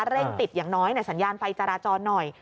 เร่งติดอย่างน้อยในสัญญาณไฟจราจรหน่อย